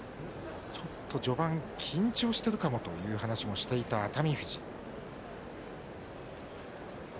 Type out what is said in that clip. ちょっと序盤緊張しているかもしれないという話をしていた熱海富士です。